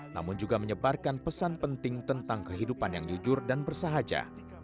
namun juga menyebarkan pesan penting tentang kehidupan yang jujur dan bersahaja